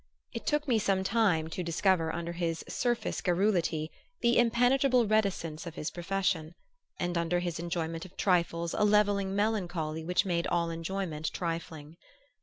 It took me some time to discover under his surface garrulity the impenetrable reticence of his profession, and under his enjoyment of trifles a levelling melancholy which made all enjoyment trifling.